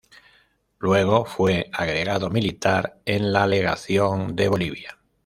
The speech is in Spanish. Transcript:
Luego fue agregado militar en la legación de Bolivia.